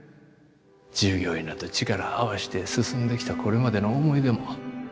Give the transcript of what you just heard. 従業員らと力合わして進んできたこれまでの思い出も。